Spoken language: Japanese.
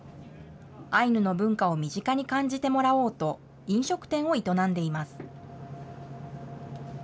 アイヌの文化を身近に感じてもらおうと、飲食店を営んでいます。